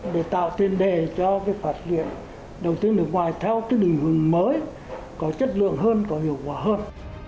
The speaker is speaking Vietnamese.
đầu tiên nước ngoài theo cái định hướng mới có chất lượng hơn có hiệu quả hơn